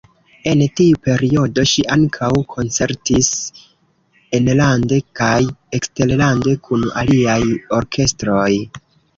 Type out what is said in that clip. En tiu periodo ŝi ankaŭ koncertis enlande kaj eksterlande kun aliaj orkestroj.